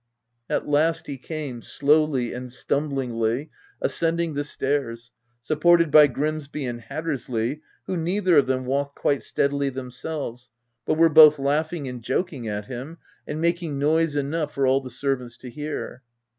At last he came, slowly and stumblingly, ascending the stairs, supported by Grimsby and Hattersley, who neither of them walked quite steadily themselves, but were both laugh ing and joking at him, and making noiseenough for ail the servants to hear.